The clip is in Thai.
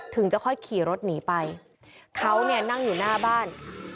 ถึงจะค่อยขี่รถหนีไปเขาเนี่ยนั่งอยู่หน้าบ้าน